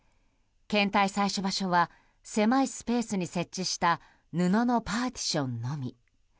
検体採取場所は狭いスペースに設置した布のパーティションのみ。